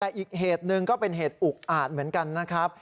แต่อีกเหตุหนึ่งก็เป็นเหตุอุกอาจเหมือนกันนะครับ